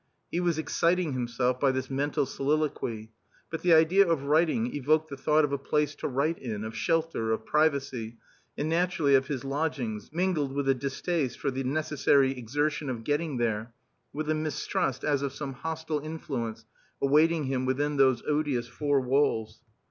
He was exciting himself by this mental soliloquy. But the idea of writing evoked the thought of a place to write in, of shelter, of privacy, and naturally of his lodgings, mingled with a distaste for the necessary exertion of getting there, with a mistrust as of some hostile influence awaiting him within those odious four walls.